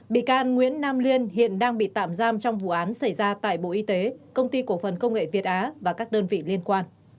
bị can nguyễn nam liên hiện đang bị tạm giam trong vụ án xảy ra tại bộ y tế công ty cổ phần công nghệ việt á và các đơn vị liên quan